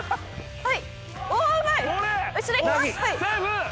はい。